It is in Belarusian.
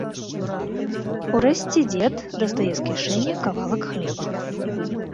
Урэшце дзед дастае з кішэні кавалак хлеба.